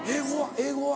英語は？